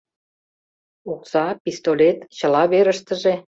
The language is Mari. Окса, пистолет, — чыла верыштыже.